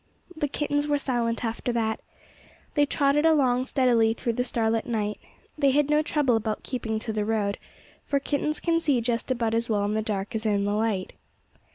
The kittens were silent after that. They trotted along steadily through the starlit night. They had no trouble about keeping to the road, for kittens can see just about as well in the dark as in the light.